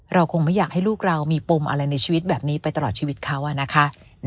เราคงไม่อยากให้ลูกเรามีปมอะไรในชีวิตแบบนี้ไปตลอดชีวิตเขานะคะ